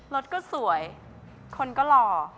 รถก็สวยคนก็หล่อ